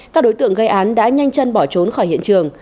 các đối tượng gây án đã nhanh chân bỏ trốn khỏi hiện trường